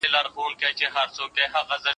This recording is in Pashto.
يو په يو يې لوڅېدله اندامونه